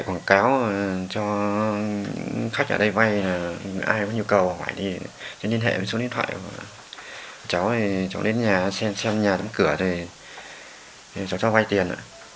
quảng cáo cho khách ở đây vay là ai có nhu cầu hỏi thì cháu liên hệ với số điện thoại cháu đến nhà xem nhà tấm cửa thì cháu cho vay tiền